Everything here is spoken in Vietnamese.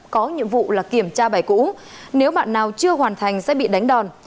có nhiệm vụ là kiểm tra bài cũ nếu bạn nào chưa hoàn thành sẽ bị đánh đòn